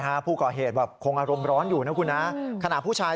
ฮะผู้ก่อเหตุแบบคงอารมณ์ร้อนอยู่นะคุณฮะขณะผู้ชาย